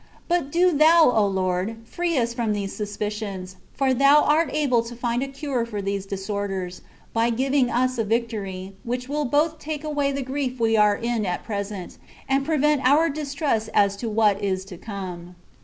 But do thou, O Lord, free us from these suspicions, for thou art able to find a cure for these disorders, by giving us victory, which will both take away the grief we are in at present, and prevent our distrust as to what is to come."